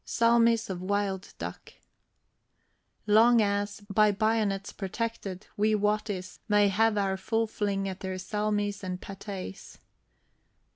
SALMIS OF WILD DUCK. Long as, by bayonets protected, we Watties May have our full fling at their salmis and patés.